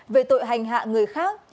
về tội hành hạ người khác